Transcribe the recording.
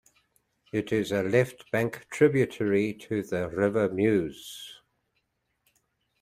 It is a leftbank tributary to the river Meuse.